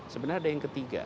sebenarnya ada yang ketiga